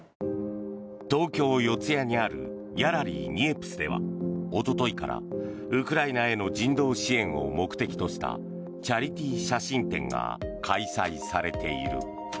東京・四谷にあるギャラリー・ニエプスではおとといからウクライナへの人道支援を目的としたチャリティー写真展が開催されている。